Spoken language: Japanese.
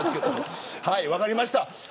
分かりました。